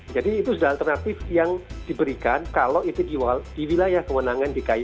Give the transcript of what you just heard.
jadi itu sudah alternatif yang diberikan kalau itu di wilayah kewenangan dki